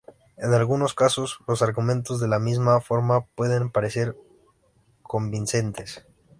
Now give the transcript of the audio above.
En algunos casos, los argumentos de la misma forma pueden parecer convincentes.